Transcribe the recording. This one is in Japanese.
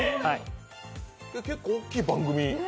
結構大きい番組。